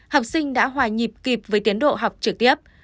học sinh đã hòa nhịp kịp với tiến độ học trực tiếp